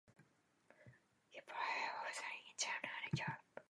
He played overseas in China and Europe.